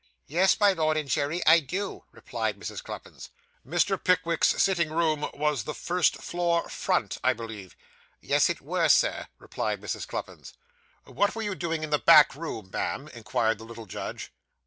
'Yes, my Lord and jury, I do,' replied Mrs. Cluppins. 'Mr. Pickwick's sitting room was the first floor front, I believe?' 'Yes, it were, Sir,' replied Mrs. Cluppins. 'What were you doing in the back room, ma'am?' inquired the little judge.